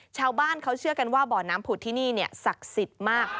ชาวบ้านเขาเชื่อกันว่าบ่อน้ำผุดที่นี่ศักดิ์สิทธิ์มาก